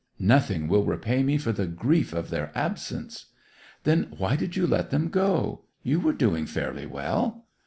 'Nothing will repay me for the grief of their absence!' 'Then why did you let them go? You were doing fairly well.